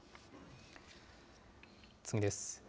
次です。